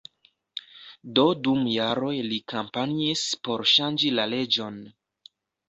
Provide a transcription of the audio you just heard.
Do dum jaroj li kampanjis por ŝanĝi la leĝon.